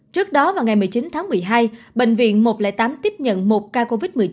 trước đó vào ngày một mươi chín tháng một mươi hai bệnh viện một trăm linh tám tiếp nhận một ca covid một mươi chín